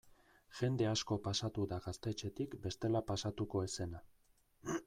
Jende asko pasatu da gaztetxetik bestela pasatuko ez zena.